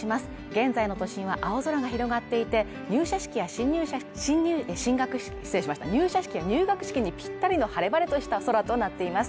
現在の都心は青空が広がっていて、入社式や入学式にぴったりの晴れ晴れとした空となっています。